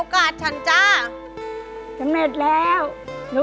ครับพี่หน่อย